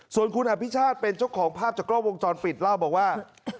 ส่วนคุณอภิชาติเป็นเจ้าของภาพจากกล้องวงจรปิดเล่าบอกว่า